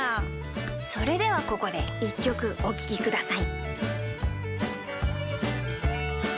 それではここでいっきょくおききください。